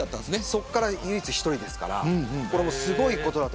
そこから唯一１人ですからすごいです。